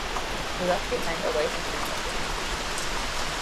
He left behind a wife and three children.